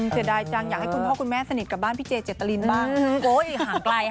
เผื่อดายจังอยากให้คุณพ่อคุณแม่สนิทกับบ้านพี่เจ๊เจตะลินบ้าง